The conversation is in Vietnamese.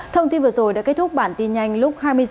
thông tin vừa rồi đã kết thúc bản tin nhanh lúc hai mươi h